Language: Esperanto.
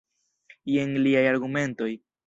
Jen liaj argumentoj.